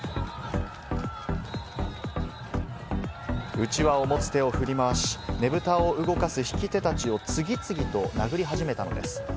うちわを持つ手を振り回し、ねぶたを動かす引き手たちを次々と殴り始めたのです。